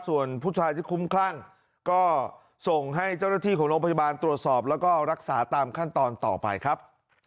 ส่วนผู้ชายที่คุ้มคลั่งก็ส่งให้เจ้าหน้าที่ของโรงพยาบาลตรวจสอบแล้วก็รักษาตามขั้นตอนต่อไปครับ